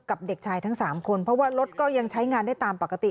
เด็กชายทั้ง๓คนเพราะว่ารถก็ยังใช้งานได้ตามปกติ